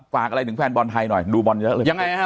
ฝากอะไรถึงแฟนบอลไทยหน่อยดูบอลเยอะเลยยังไงฮะ